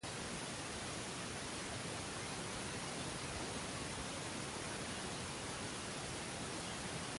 A consecuencia de las acciones de Bischoff, la Gerente General de SmackDown!